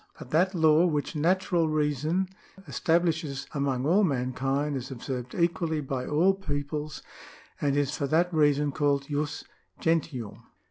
But that law which natural reason establishes among all mankind is observed equally by all peoples, and is for that reason called jus gentium.'''